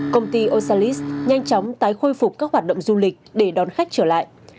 công ty osalis nhanh chóng tái khôi phục các hoạt động du lịch để đón khách trở lại